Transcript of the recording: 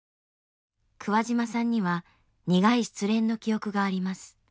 桑島さんには苦い失恋の記憶があります。